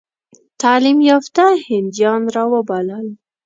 تعلیم یافته هندیان را وبلل.